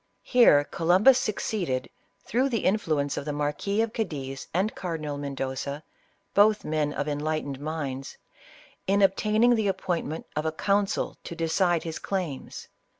Here Columbus succeeded, through the influ ence of the Marquis of Cadiz and Cardinal Mendoza, both men of enlightened minds, in obtaining the ap pointment of a council to decide his claims.